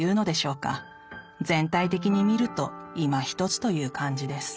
全体的に見るといまひとつという感じです」。